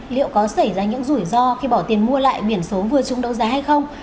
liệu có xảy ra những rủi ro khi bỏ tiền mua lại biển số vừa chung đấu giá hay không